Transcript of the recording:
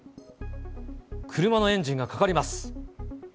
車のエンジンがかかります。